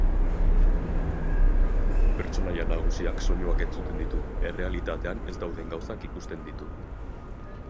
Pertsonaia nagusiak soinuak entzuten ditu, errealitatean ez dauden gauzak ikusten ditu.